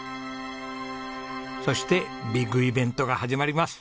そしてビッグイベントが始まります。